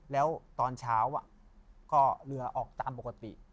แล้วตอนเช้าก็เรือออกตามปกติ